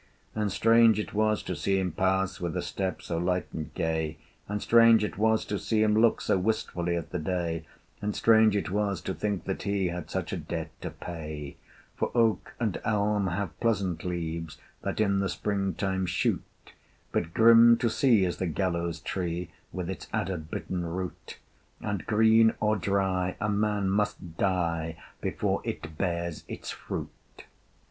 And strange it was to see him pass With a step so light and gay, And strange it was to see him look So wistfully at the day, And strange it was to think that he Had such a debt to pay. For oak and elm have pleasant leaves That in the spring time shoot: But grim to see is the gallows tree, With its adder bitten root, And, green or dry, a man must die Before it bears its fruit!